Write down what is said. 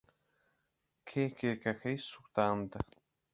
کێ کێکەکەی سووتاند؟